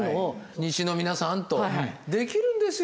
西の皆さんできるんですよ